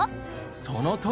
そのとおり。